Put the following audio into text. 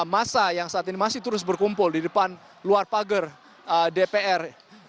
masa yang saat ini masih terus berkumpul di depan luar pagar dpr